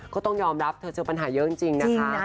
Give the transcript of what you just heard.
ก็ต้องยอมรับเธอเจอปัญหาเยอะจริงนะคะ